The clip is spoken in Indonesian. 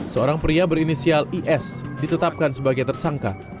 seorang pria berinisial is ditetapkan sebagai tersangka